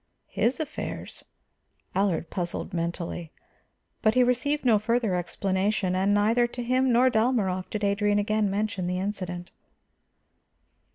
His affairs? Allard puzzled mentally. But he received no further explanation, and neither to him nor Dalmorov did Adrian again mention the incident.